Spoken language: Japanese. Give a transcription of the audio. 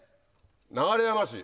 流山市。